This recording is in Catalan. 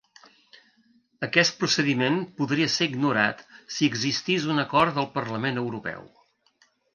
Aquest procediment podria ser ignorat si existís un acord del Parlament Europeu.